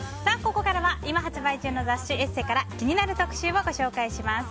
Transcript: ここからは今発売中の雑誌「ＥＳＳＥ」から気になる特集をご紹介します。